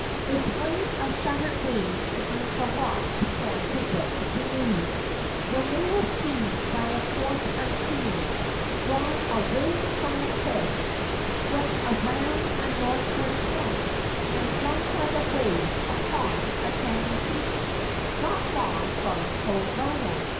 The spray of shattered waves against the rocks began to wet the canoes, when they were seized by a force unseen, drawn away from the cliffs, swept around a northward point, and flung by the waves upon a sandy beach not far from Koloa.